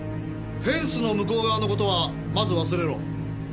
フェンスの向こう側の事はまず忘れろ。